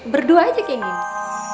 berdua aja kayak gini